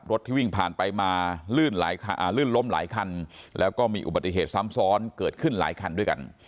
ที่วิ่งผ่านไปมาลื่นล้มหลายคันแล้วก็มีอุบัติเหตุซ้ำซ้อนเกิดขึ้นหลายคันด้วยกัน